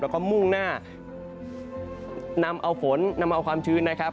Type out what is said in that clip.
แล้วก็มุ่งหน้านำเอาฝนนำเอาความชื้นนะครับ